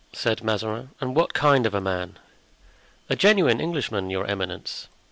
said Mazarin. "And what kind of a man?" "A genuine Englishman, your eminence.